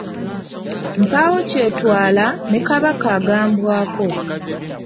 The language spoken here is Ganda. Mpaawo kyetwala, ne Kabaka agambwako.